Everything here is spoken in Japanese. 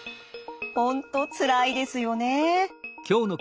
本当つらいですよね。